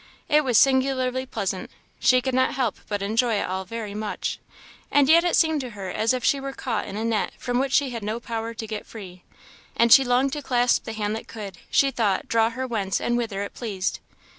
It was singularly pleasant; she could not help but enjoy it all very much; and yet it seemed to her as if she were caught in a net from which she had no power to get free; and she longed to clasp that hand that could, she thought, draw her whence and whither it pleased.